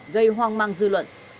gây hoang mang dư luận